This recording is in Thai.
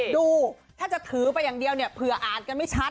ดูถ้าจะถือไปอย่างเดียวเนี่ยเผื่ออ่านกันไม่ชัด